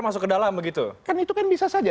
masuk ke dalam begitu kan itu kan bisa saja